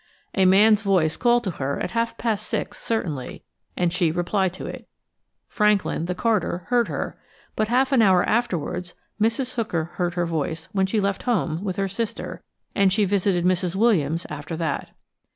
A man's voice called to her at half past six certainly, and she replied to it. Franklin, the carter, heard her; but half an hour afterwards Mrs. Hooker heard her voice when she left home with her sister, and she visited Mrs. Williams after that.